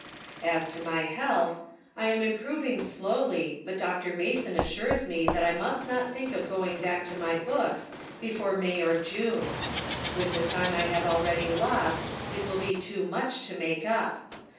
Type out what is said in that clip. As to my health : I am improving slowly, but Dr. Mason assures me that I must not think of going back to my books before May or June. With the time I have already lost, it will be too much to make up.